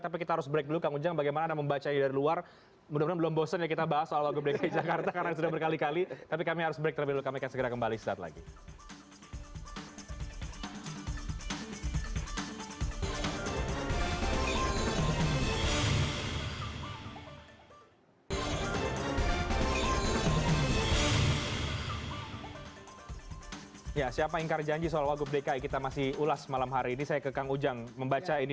tapi kita harus break dulu kang ujang bagaimana anda membaca ini